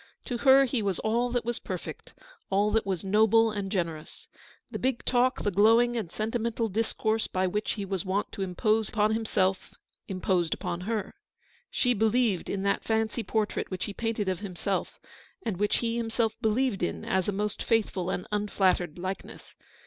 To her he was all that was perfect, all that was noble and generous. The big talk, the THE STORY OF THE PAST. 53 glowing and sentimental discourse by which he was wont to impose upon himself, imposed upon her. She believed in that fancy portrait which he painted of himself, and which he himself believed in as a most faithful and unflattered likeness.